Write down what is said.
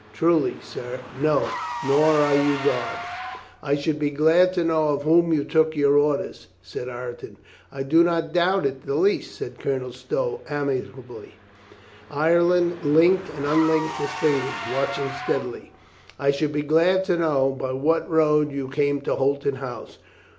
"Truly, sir, no. Nor are you God." 402 COLONEL GREATHEART "I should be glad to know of whom you took your orders?" said Ireton. "I do not doubt it the least," said Colonel Stow amiably. Ireton linked and unlinked his fingers, watching steadily. "I should be glad to know — by what road you came to Holton House?